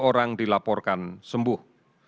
kalimantan timur lima kasus baru dua puluh dua sembuh